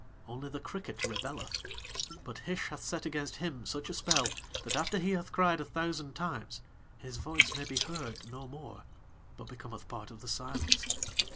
Only the cricket rebelleth. But Hish hath set against him such a spell that after he hath cried a thousand times his voice may be heard no more but becometh part of the silence.